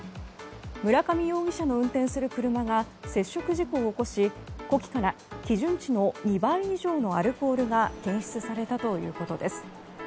村上容疑者の運転する車は接触事故を起こし呼気から基準値の２倍以上のアルコールが検出されたということです。